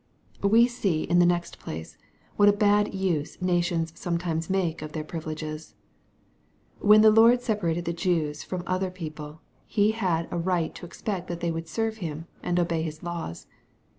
We see, in the next place, what a bad uise nations sometimes m^ke of their privileges. When the Lord separated the Jews from other people,\ He had a right to expect that they would serve Him, and i ;»bey His laws.